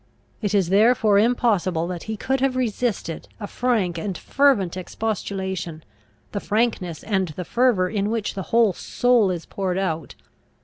It is therefore impossible that he could have resisted a frank and fervent expostulation, the frankness and the fervour in which the whole soul is poured out.